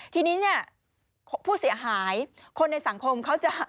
ทีนี้เนี่ยผู้เสียหายคนในสังคมเขาจะ